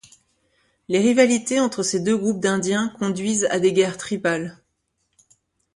Les rivalités entre ces deux groupes d'indiens conduisent à des guerres tribales.